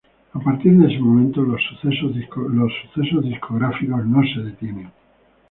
A partir de ese momento, los sucesos discográficos no se detienen.